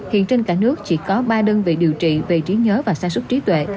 hiện trên cả nước chỉ có ba đơn vị điều trị về trí nhớ và sa sút trí tuệ